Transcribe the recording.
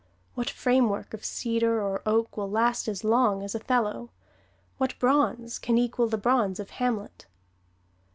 What framework of cedar or oak will last as long as "Othello"? What bronze can equal the bronze of "Hamlet"?